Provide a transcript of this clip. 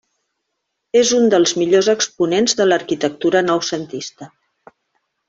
És un dels millors exponents de l'arquitectura noucentista.